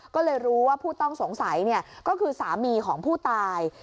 ก็เลยรู้ว่าผู้ต้องสงสัยก็คือสามีของผู้ตาย